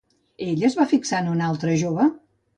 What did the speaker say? Ella es va fixar en un altre jove?